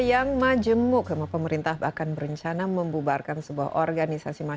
yang majemuk sama pemerintah bahkan berencana membubarkan sebuah organisasi masyarakat